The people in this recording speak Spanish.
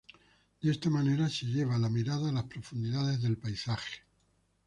De esta manera se lleva la mirada a las profundidades del paisaje.